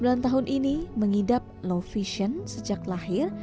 perempuan dua puluh sembilan tahun ini mengidap low vision sejak lahir